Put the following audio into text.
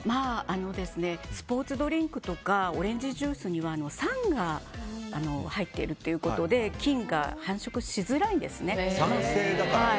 スポーツドリンクとかオレンジジュースには酸が入っているということで菌が繁殖しづらいんです。